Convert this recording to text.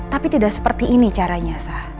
tapi tidak seperti ini caranya sah